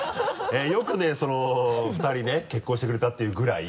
よくね２人ね結婚してくれたっていうぐらい。